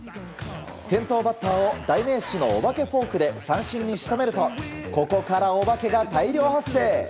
先頭バッターを代名詞のお化けフォークで三振に仕留めるとここからお化けが大量発生。